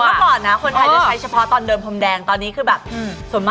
อันจะเป็นสีแบบทองแทน